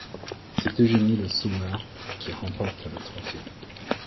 C'est Eugénie Le Sommer qui remporte le trophée.